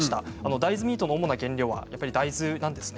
大豆ミートの主な原料は大豆なんですね。